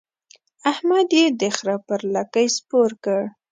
احمد يې د خره پر لکۍ سپور کړ.